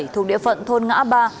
thuộc địa phận thôn ngã ba